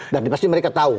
dan pasti mereka tahu